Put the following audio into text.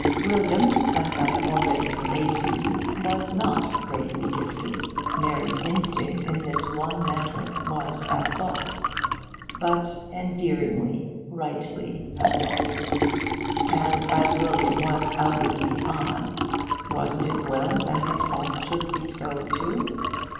William, as I have already conveyed to you, was not greatly gifted. Mary's instinct, in this one matter, was at fault. But endearingly, rightly at fault. And, as William was outwardly odd, wasn't it well that his home should be so, too?